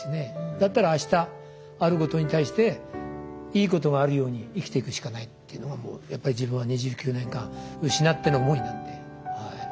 だったらあしたあることに対していいことがあるように生きていくしかないっていうのが自分は２９年間失っての思いなんで。